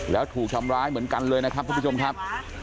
แล้วถูกทำร้ายเหมือนกันเลยนะครับทุกผู้ชมครับ